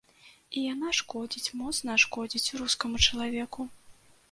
І яна шкодзіць, моцна шкодзіць рускаму чалавеку.